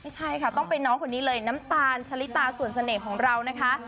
ใช่ค่ะต้องเป็นน้องคนนี้เลยน้ำตาลชะลิตาส่วนเสน่ห์ของเรานะคะ